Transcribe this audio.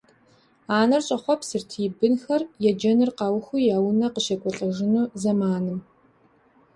Анэр щӏэхъуэпсырт и бынхэм еджэныр къаухыу я унэ къыщекӏуэлӏэжыну зэманым.